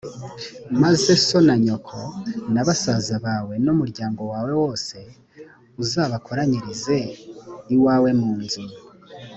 maze so na nyoko na basaza bawe, n’umuryango wawe wose uzabakoranyirize iwawe mu nzu.